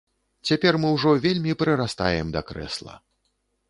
Цяпер мы ўжо вельмі прырастаем да крэсла.